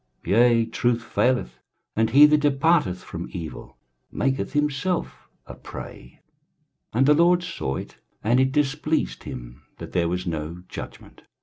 23:059:015 Yea, truth faileth; and he that departeth from evil maketh himself a prey: and the LORD saw it, and it displeased him that there was no judgment.